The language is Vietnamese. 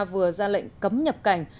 vừa ra lệnh cấm nhập cảnh